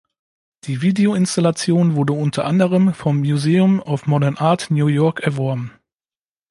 Die Videoinstallation wurde unter anderem vom Museum of Modern Art New York erworben.